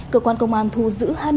cơ quan công an thu giữ